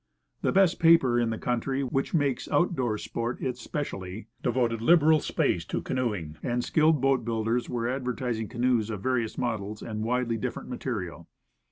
The best paper in the country which makes out door sport a specialty, devoted liberal space to canoeing, and skilled boatbuilders were advertising canoes of vari ous models and widely different material.